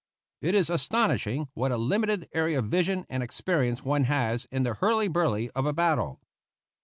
It is astonishing what a limited area of vision and experience one has in the hurly burly of a battle.